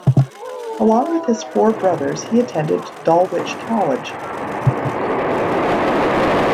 Along with his four brothers, he attended Dulwich College.